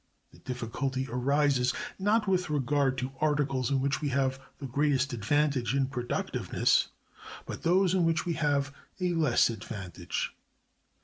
The difficulty arises not with regard to articles in which we have the greatest advantage in productiveness, but those in which we have a less advantage.